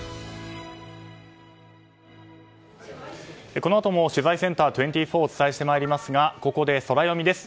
このあとも取材ｃｅｎｔｅｒ２４をお伝えしてまいりますがここでソラよみです。